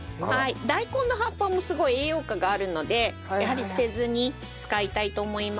大根の葉っぱもすごい栄養価があるのでやはり捨てずに使いたいと思います。